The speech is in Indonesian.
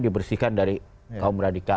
dibersihkan dari kaum radikal